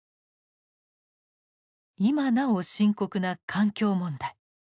今なお深刻な環境問題。